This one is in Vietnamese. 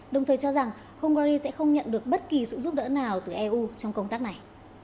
đồng thời cho rằng hungary sẽ không nhận được bất kỳ sự giúp đỡ nào từ eu trong công tác này